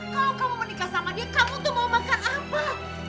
kalau kamu menikah sama dia kamu tuh mau makan apa